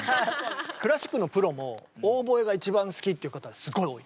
クラシックのプロもオーボエが一番好きっていう方すごい多い。